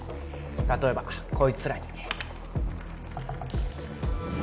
例えばこいつらに